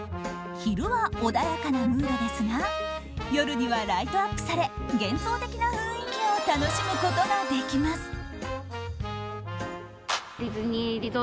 昼は穏やかなムードですが夜にはライトアップされ幻想的な雰囲気を楽しむことができます。